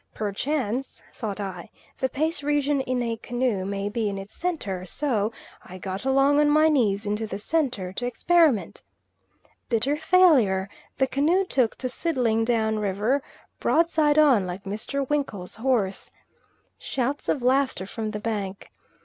Perchance, thought I, the pace region in a canoe may be in its centre; so I got along on my knees into the centre to experiment. Bitter failure; the canoe took to sidling down river broadside on, like Mr. Winkle's horse. Shouts of laughter from the bank.